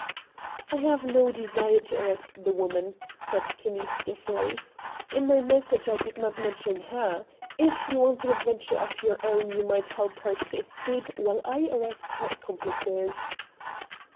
"I have no desire to arrest the woman," said Kinney stiffly. "In my message I did not mention HER. If you want an adventure of your own, you might help her to escape while I arrest her accomplices."